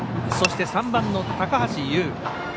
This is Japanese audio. そして、３番の高橋友。